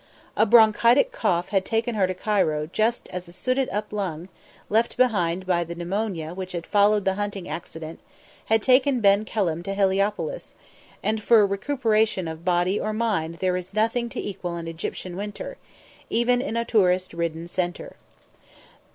A bronchitic cough had taken her to Cairo just as a sooted up lung, left behind by the pneumonia which had followed the hunting accident had taken Ben Kelham to Heliopolis, and for recuperation of body or mind there is nothing to equal an Egyptian winter, even in a tourist ridden centre.